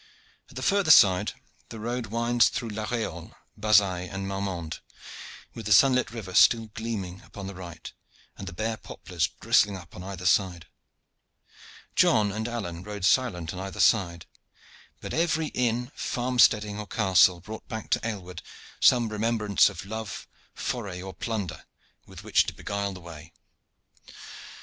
At the further side the road winds through La Reolle, Bazaille, and Marmande, with the sunlit river still gleaming upon the right, and the bare poplars bristling up upon either side. John and Alleyne rode silent on either side, but every inn, farm steading, or castle brought back to Aylward some remembrance of love, foray, or plunder, with which to beguile the way.